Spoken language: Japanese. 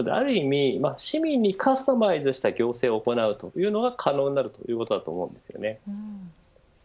なので、ある意味市民にカスタマイズした行政を行うというのは可能になるということだと思うんですね。